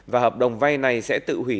và hợp đồng vay này sẽ tự hủy